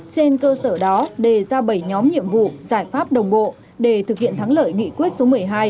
trên cơ sở đó đề ra bảy nhóm nhiệm vụ giải pháp đồng bộ để thực hiện thắng lợi nghị quyết số một mươi hai